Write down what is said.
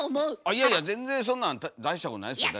いやいや全然そんなん大したことないですよ